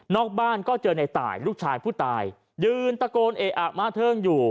บ้านก็เจอในตายลูกชายผู้ตายยืนตะโกนเออะมาเทิงอยู่